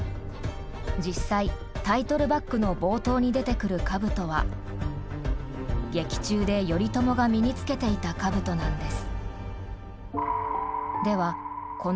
実際タイトルバックの冒頭に出てくる兜は劇中で頼朝が身につけていた兜なんです。